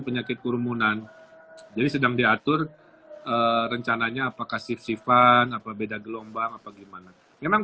penyakit kurmunan jadi sedang diatur rencananya apakah sifat apa beda gelombang apa gimana memang